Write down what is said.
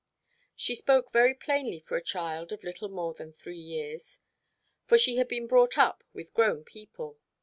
She spoke very plainly for a child of little more than three years, for she had been brought up with grown people.